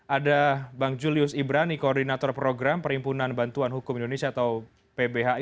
ada bang julius ibrani koordinator program perimpunan bantuan hukum indonesia atau pbhi